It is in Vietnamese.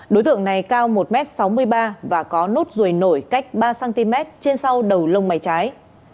đối tượng này cao một sáu mươi ba m và có nốt ruồi nổi cách ba cm trên sau đầu lông mái trái